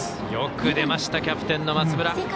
よく出ましたキャプテンの松村。